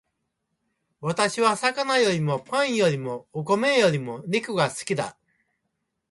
私は魚よりもパンよりもお米よりも肉が好きだ